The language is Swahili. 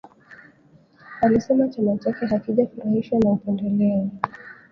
Alisema chama chake hakijafurahishwa na upendeleo